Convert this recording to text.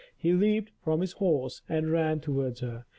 He leaped from his horse, and ran towards her.